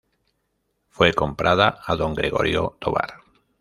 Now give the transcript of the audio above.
Fue comprada a don Gregorio Tobar.